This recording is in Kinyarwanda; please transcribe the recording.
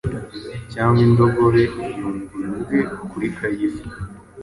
cyangwa indogobe Yumvira ubwe kuri Kayifa.